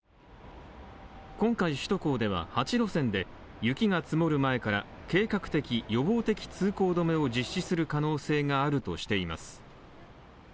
今回首都高では８路線で、雪が積もる前から計画的・予防的通行止めを実施する可能性があるとしています。